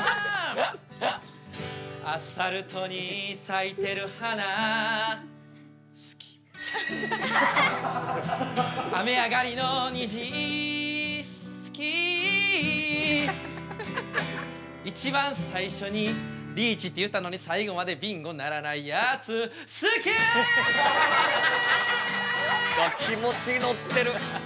アスファルトに咲いてる花好き雨上がりのにじ好き一番最初にリーチって言ったのに最後までビンゴにならないやつ好きうわ気持ち乗ってる！